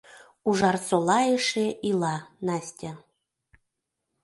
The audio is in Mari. Ужарсола эше ила, Настя.